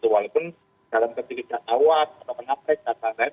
walaupun dalam ketika dia tawar atau mengapres dan lain lain